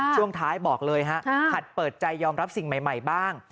ช่วงท้ายบอกเลยฮะผัดเปิดใจยอมรับสิ่งใหม่บ้าง